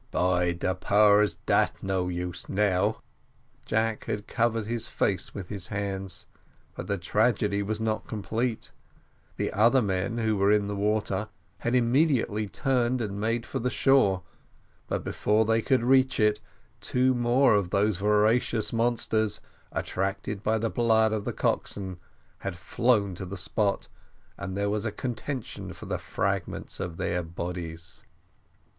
"By the powers, dat no use now!" Jack had covered his face with his hands. But the tragedy was now complete: the other men, who were in the water, had immediately turned and made for the shore; but before they could reach it, two more of those voracious monsters, attracted by the blood of the coxswain, had flown to the spot, and there was a contention for the fragments of their bodies.